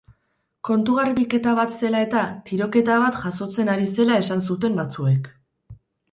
Kontu-garbiketa bat zela eta, tiroketa bat jazotzen ari zela esan zuten batzuek.